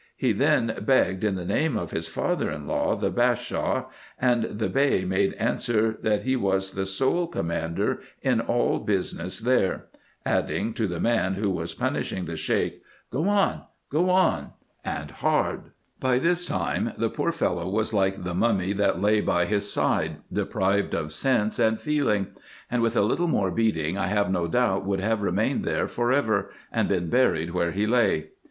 He then begged in the name of his father in law, the Bashaw ; and the Bey made answer, that he was the sole com mander in all business there ; adding, to the man who was punish ing the Sheik, " Go on, go on, and hard." By this time the poor fellow was like the mummy that lay by his side, deprived of sense and feeling ; and with a little more beating I have no doubt would have remained there for ever, and been buried where he lay.